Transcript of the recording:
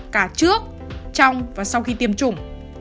cả trước trong và sau khi tiêm chủng